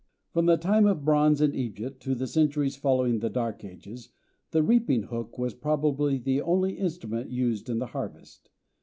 From the time of bronze in Egypt, to the centuries following the dark ages, the reaping hook was probably the only implement used in the harvest.